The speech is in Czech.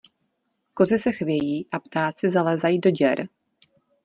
Kozy se chvějí, a ptáci zalézají do děr.